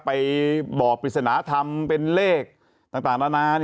ไปบอกปริศนธรรมเป็นเลขต่างนานา